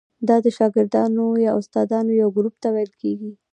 دا د شاګردانو یا استادانو یو ګروپ ته ویل کیږي.